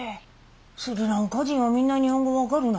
スリランカ人はみんな日本語分かるな？